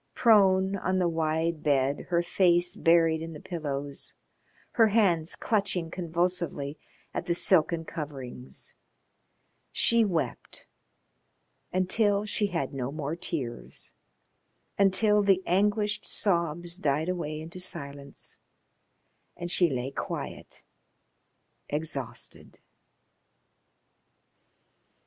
Prone on the wide bed, her face buried in the pillows, her hands clutching convulsively at the silken coverings, she wept until she had no more tears, until the anguished, sobs died away into silence and she lay quiet, exhausted.